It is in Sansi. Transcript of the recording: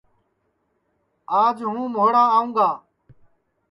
آج ہوں مھوڑا آوں گا